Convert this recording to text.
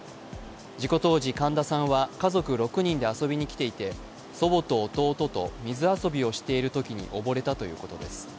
事故当時、神田さんは家族６人で遊びに来ていて祖母と弟と水遊びをしているときに溺れたということです。